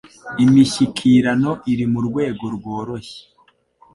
Imishyikirano iri murwego rworoshye.